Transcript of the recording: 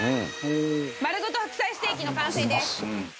丸ごと白菜ステーキの完成です。